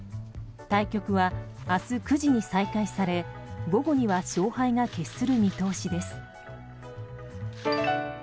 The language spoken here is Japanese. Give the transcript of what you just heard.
対局は明日９時に再開され午後には勝敗が決する見通しです。